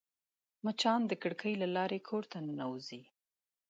مچان د کړکۍ له لارې کور ته ننوزي